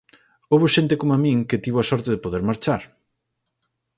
Houbo xente coma min que tivo a sorte de poder marchar.